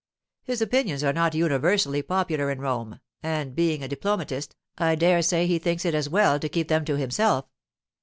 His opinions are not universally popular in Rome, and being a diplomatist, I dare say he thinks it as well to keep them to himself.